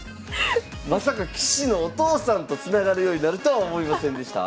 まさか棋士のお父さんとつながるようになるとは思いませんでした。